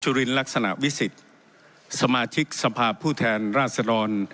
รินลักษณะวิสิทธิ์สมาชิกสภาพผู้แทนราชดร